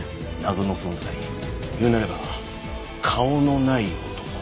謎の存在言うなれば顔のない男。